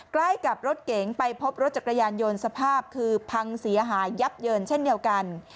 ใกล้กับรถเก๋งไปพบรถจักรยานยนต์สภาพคือพังเสียหายยับเยินเช่นเดียวกัน